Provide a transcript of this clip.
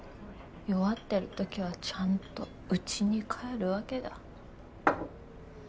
弱ってるときはちゃんとうちに帰るわけだ。